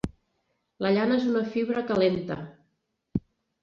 La llana és una fibra calenta.